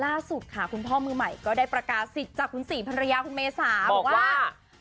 ล่าสุดค่ะคุณพ่อมือใหม่ก็ได้ประกาศสิทธิ์จากคุณศรีภรรยาคุณเมษาบอกว่า